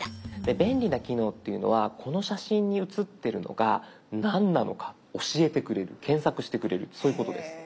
便利な機能っていうのはこの写真に写ってるのが何なのか教えてくれる検索してくれるそういうことです。